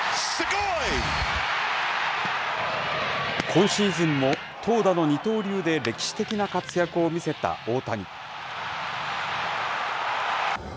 今シーズンも投打の二刀流で歴史的な活躍を見せた大谷。